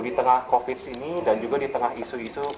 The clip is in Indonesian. di tengah covid ini dan juga di tengah isu isu